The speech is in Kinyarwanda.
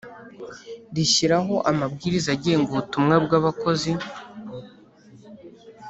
rishyiraho amabwiriza agenga ubutumwa bw Abakozi